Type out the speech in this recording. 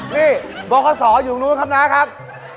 นี่บาวกศรอยู่ตรงนู้นครับนะครับ